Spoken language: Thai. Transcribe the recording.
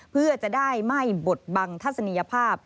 เพื่อจะได้ไม่บดบังทัศนียภาพ